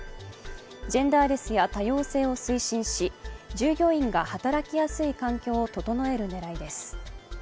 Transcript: ジェンダーレスや多様性を推進し従業員が働きやすい環境を整える狙いです。